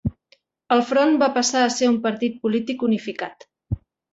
El Front va passar a ser un partir polític unificat.